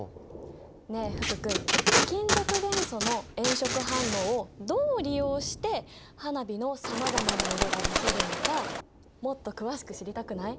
ねえ福君金属元素の炎色反応をどう利用して花火のさまざまな色が出せるのかもっと詳しく知りたくない？